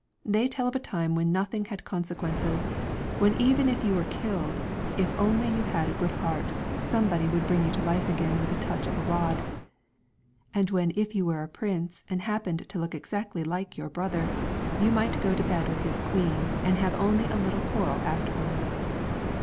They tell of a time when nothing had consequences, when even if you were killed, if only you had a good heart, somebody would bring you to life again with a touch of a rod, and when if you were a prince and happened to look exactly like your brother, you might go to bed with his queen, and have only a little quarrel afterwards.